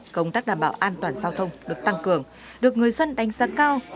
công tác đảm bảo an toàn giao thông được tăng cường được người dân đánh giá cao